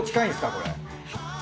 これ。